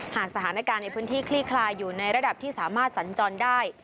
หากสถานการณ์ในพื้นที่คลี่คลายอยู่ในระดับที่สามารถสัญจรได้